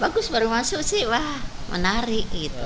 bagus baru masuk sih wah menarik gitu